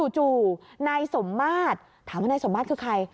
จู่นายสมมาตรถามว่านายสมมาตรคือใคร